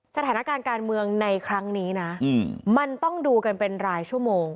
สถานการณ์การเมืองในครั้งนี้นะมันต้องดูกันเป็นรายชั่วโมง